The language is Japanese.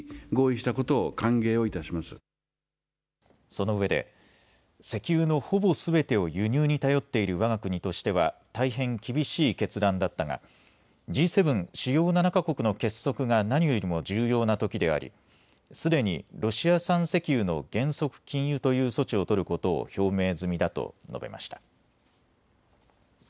そのうえで石油のほぼすべてを輸入に頼っているわが国としては大変厳しい決断だったがＧ７・主要７か国の結束が何よりも重要なときでありすでにロシア産石油の原則禁輸という措置を取ることを表明済みだと述べました。